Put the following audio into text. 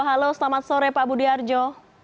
halo selamat sore pak budi harjo